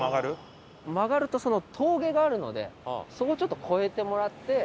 曲がると峠があるのでそこをちょっと越えてもらって。